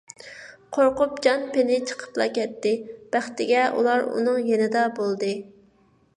قورقۇپ جان - پېنى چىقىپلا كەتتى، بەختىگە ئۇلار ئۇنىڭ يېنىدا بولدى.